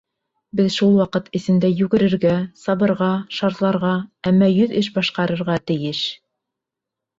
Беҙ шул ваҡыт эсендә йүгерергә, сабырға, шартларға, әммә йөҙ эш башҡарырға тейеш!